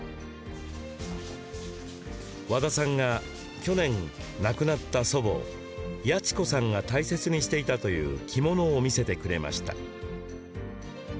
和田さんが去年、亡くなった祖母八千子さんが大切にしていたという着物を見せてくれました。